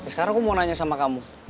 sekarang aku mau nanya sama kamu